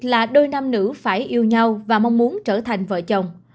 là đôi nam nữ phải yêu nhau và mong muốn trở thành vợ chồng